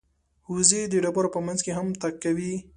وزې د ډبرو په منځ کې هم تګ کوي